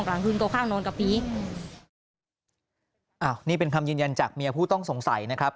อ้าวนี่เป็นคำยืนยันจากเมียผู้ต้องสงสัยนะครับ